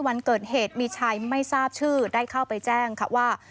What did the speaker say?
วันเกิดเหตุมีชายไม่ทราบชื่อได้เข้าไปแจ้งค่ะว่า